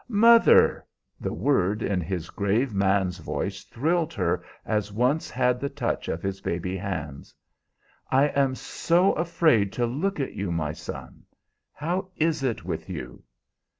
"Mother!" The word in his grave man's voice thrilled her as once had the touch of his baby hands. "I am afraid to look at you, my son. How is it with you?"